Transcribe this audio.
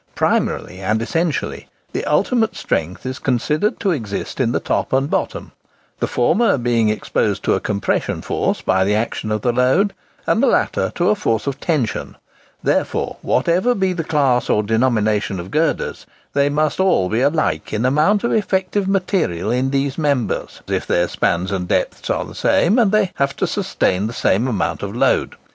Primarily and essentially, the ultimate strength is considered to exist in the top and bottom,—the former being exposed to a compression force by the action of the load, and the latter to a force of tension; therefore, whatever be the class or denomination of girders, they must all be alike in amount of effective material in these members, if their spans and depths are the same, and they have to sustain the same amount of load.